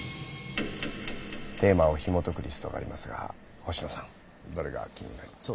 テーマをひもとくリストがありますが星野さんどれが気になりますか？